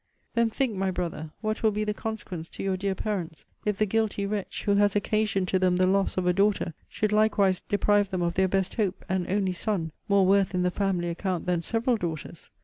Then think, my Brother, what will be the consequence to your dear parents, if the guilty wretch, who has occasioned to them the loss of a daughter, should likewise deprive them of their best hope, and only son, more worth in the family account than several daughters?